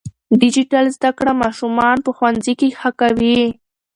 ډیجیټل زده کړه ماشومان په ښوونځي کې ښه کوي.